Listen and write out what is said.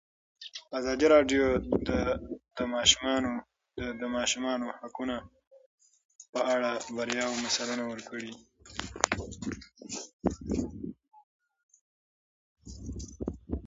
ازادي راډیو د د ماشومانو حقونه په اړه د بریاوو مثالونه ورکړي.